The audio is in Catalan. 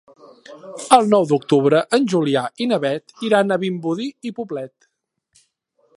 El nou d'octubre en Julià i na Beth iran a Vimbodí i Poblet.